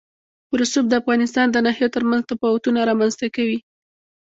رسوب د افغانستان د ناحیو ترمنځ تفاوتونه رامنځ ته کوي.